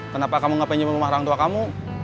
kenapa kamu gak pinjam uang rumah orang tua kamu